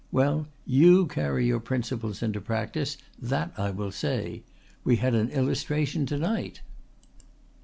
Well, you carry your principles into practice, that I will say. We had an illustration to night."